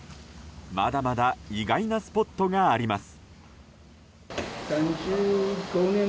まだまだ意外なスポットがあります。